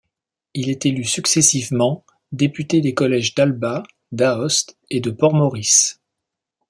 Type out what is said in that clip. Il est élu successivement député des collèges d'Alba, d'Aoste, et de Port-Maurice.